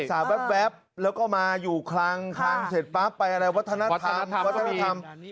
ศึกษาแป๊บแล้วก็มาอยู่คลังคลังเสร็จป๊ะไปอะไรวัฒนธรรม